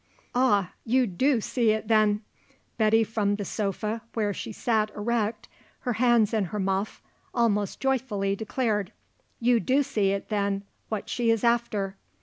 "Ah; you do see it then!" Betty from the sofa where she sat erect, her hands in her muff, almost joyfully declared. "You do see, then, what she is after!"